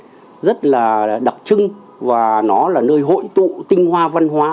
sinh hoạt văn hóa rất là đặc biệt rất là đặc trưng và nó là nơi hội tụ tinh hoa văn hóa